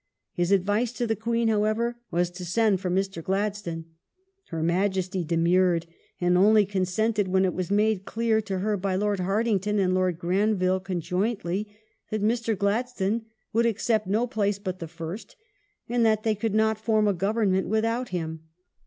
^ His advice to the Queen, however, was to send for Mr. Gladstone. Her Majesty demun ed, and only consented when it was made cleai to her by Lord Hartington and Lord Granville conjointly that Mr. Gladstone would accept no place but the first, and that they could not form a Government without him.